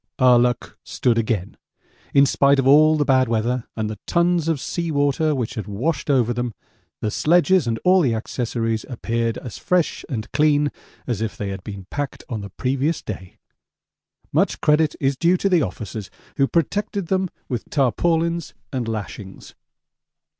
Our luck stood again. In spite of all the bad weather and the tons of sea water which had washed over them the sledges and all the accessories appeared as fresh and clean as if they had been packed on the previous day much credit is due to the officers who protected them with tarpaulins and lashings.